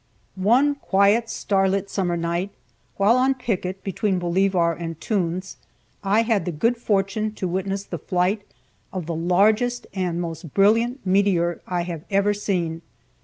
One quiet, star lit summer night, while on picket between Bolivar and Toone's, I had the good fortune to witness the flight of the largest and most brilliant meteor I ever have seen.